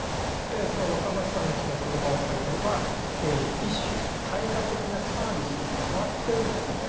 その若松さんのその言葉を借りれば一種その対価的なサービスに変わってるんですね